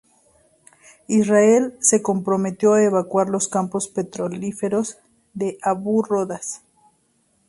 Israel se comprometió a evacuar los campos petrolíferos de Abu Rodas.